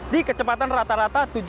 di kecepatan rata rata